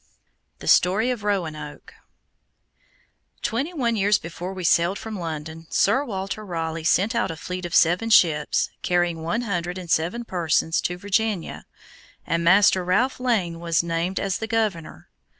THE STORY OF ROANOKE Twenty one years before we sailed from London, Sir Walter Raleigh sent out a fleet of seven ships, carrying one hundred and seven persons, to Virginia, and Master Ralph Lane was named as the governor.